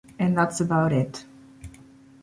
And that's about it.